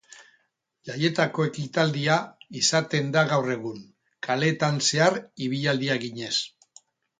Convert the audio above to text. Jaietako ekitaldia izaten da gaur egun, kaleetan zehar ibilaldia eginez.